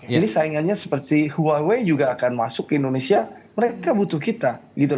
jadi saingannya seperti huawei juga akan masuk ke indonesia mereka butuh kita